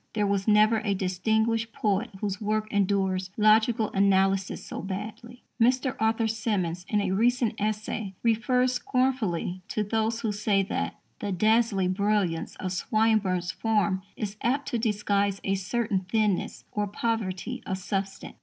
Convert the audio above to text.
There was never a distinguished poet whose work endures logical analysis so badly. Mr. Arthur Symons, in a recent essay, refers scornfully to those who say that "the dazzling brilliance of Swinburne's form is apt to disguise a certain thinness or poverty of substance."